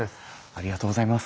ありがとうございます。